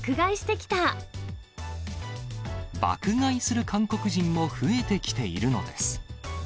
爆買いする韓国人も増えてきているのです。